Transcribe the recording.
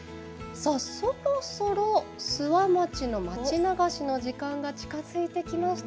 そろそろ諏訪町の町流しの時間が近づいてきました。